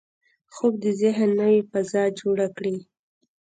خوب د ذهن نوې فضا جوړه کړي